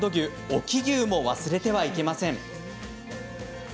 隠岐牛も忘れてはいけません。